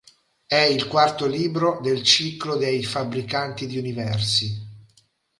È il quarto libro del "Ciclo dei fabbricanti di universi".